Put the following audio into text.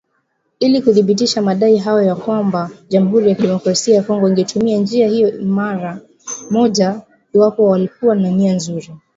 Ili kuthibitisha madai hayo na kwamba Jamhuri ya kidemokrasia ya Kongo ingetumia njia hiyo mara moja iwapo walikuwa na nia nzuri.